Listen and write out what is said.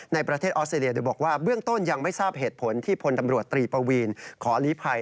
ในประเทศออสเตรเลียโดยบอกว่าเบื้องต้นยังไม่ทราบเหตุผลที่พลตำรวจตรีปวีนขอลีภัย